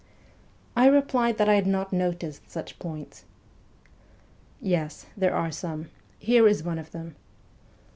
' I replied that I had not noticed such points. ' Yes, there are some. Here is one of them.